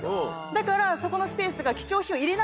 だからそこのスペースが。